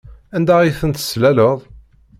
Anda ay tent-teslaleḍ?